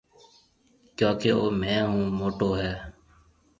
ڪيونڪيَ او مهيَ هون موٽو هيَ